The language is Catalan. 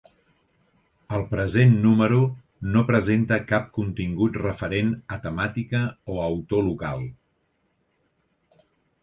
El present número no presenta cap contingut referent a temàtica o autor local.